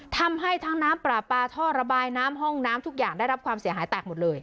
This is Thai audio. ทำให้ทั้งน้ำปลาปลาท่อระบายน้ำห้องน้ำทุกอย่างได้รับความเสียหายแตกหมดเลย